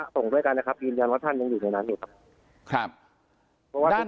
สงส้ายกันนะครับอีนยังว่าท่าน